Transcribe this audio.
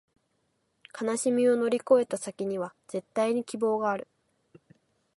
悲しみを乗り越えた先には、絶対に希望がある